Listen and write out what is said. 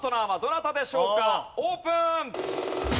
オープン。